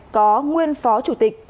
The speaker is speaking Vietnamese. có nguyên phó chủ tịch